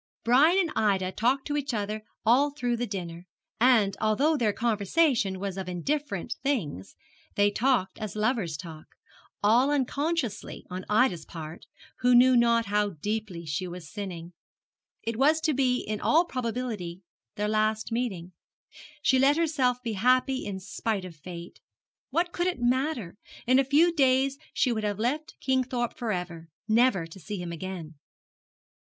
Brian and Ida talked to each other all through the dinner, and, although their conversation was of indifferent things, they talked as lovers talk all unconsciously on Ida's part, who knew not how deeply she was sinning. It was to be in all probability their last meeting. She let herself be happy in spite of fate. What could it matter? In a few days she would have left Kingthorpe for ever never to see him again.